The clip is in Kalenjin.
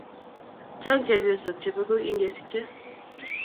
Chang chepyosok che peku ingesiche.